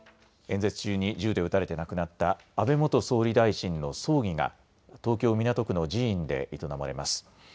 演説中に銃で撃たれて亡くなった安倍元総理大臣の葬儀が東京港区の寺院で営まれます。